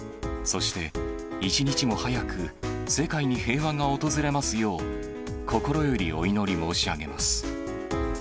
そして、一日も早く世界に平和が訪れますよう心よりお祈り申し上げます。